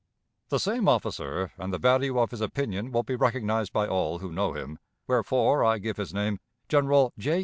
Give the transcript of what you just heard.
The same officer and the value of his opinion will be recognized by all who know him, wherefore I give his name, General J.